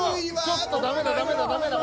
ちょっとダメだダメだ。